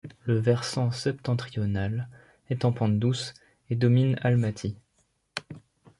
Le versant septentrional est en pente douce et domine Almaty.